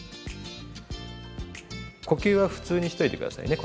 呼吸は普通にしといて下さいね